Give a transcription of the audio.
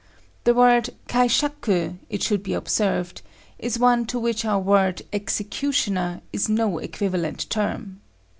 The word kaishaku, it should be observed, is one to which our word executioner is no equivalent term.